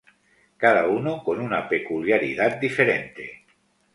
Cada uno con una peculiaridad diferente.